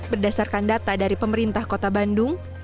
berdasarkan data dari pemerintah kota bandung